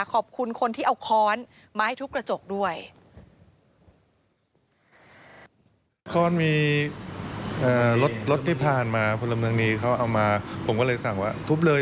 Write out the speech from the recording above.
คนร่ำจังนี้เขาเอามาผมก็เลยสั่งว่าทุบเลย